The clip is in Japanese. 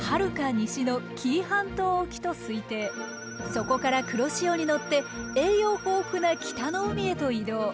そこから黒潮に乗って栄養豊富な北の海へと移動。